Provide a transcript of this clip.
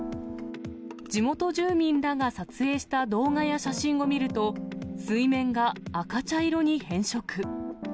地元住民らが撮影した動画や写真を見ると、水面が赤茶色に変色。